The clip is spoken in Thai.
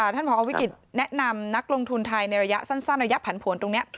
ท่านผอวิกิจแนะนำนักลงทุนไทยในระยะสั้นระยะผันผวนตรงนี้